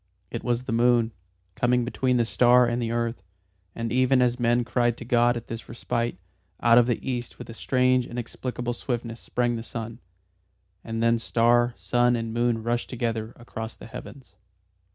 It was the moon, coming between the star and the earth. And even as men cried to God at this respite, out of the East with a strange inexplicable swiftness sprang the sun. And then star, sun and moon rushed together across the heavens.